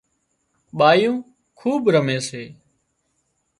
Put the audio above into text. ٻايون کوٻ رمي سي